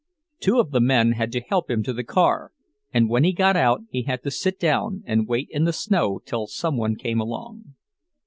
Two of the men had to help him to the car, and when he got out he had to sit down and wait in the snow till some one came along.